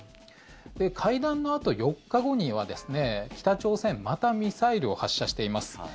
会談のあと４日後には北朝鮮またミサイルを発射しています。